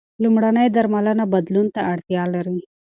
لومړنۍ درملنه بدلون ته اړتیا لري.